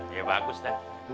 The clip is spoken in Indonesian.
ya bagus bang